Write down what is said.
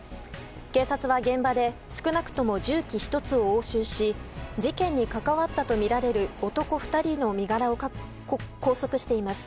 警察は現場で少なくとも銃器１つを押収し事件に関わったとみられる男２人の身柄を拘束しています。